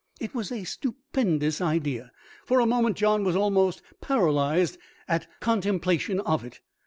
It was a stupendous idea. For a moment John was almost paralysed at contemplation of it.